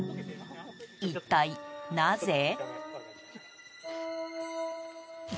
一体、なぜ？